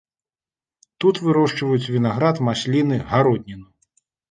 Тут вырошчваюць вінаград, масліны, гародніну.